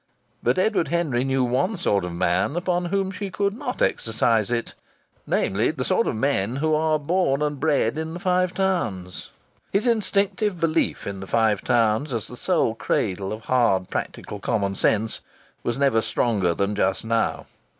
But Edward Henry knew one sort of men upon whom she could not exercise it namely, the sort of men who are born and bred in the Five Towns. His instinctive belief in the Five Towns as the sole cradle of hard practical common sense was never stronger than just now.